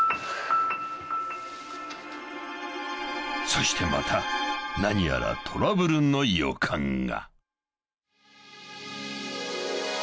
・［そしてまた何やらトラブルの予感が］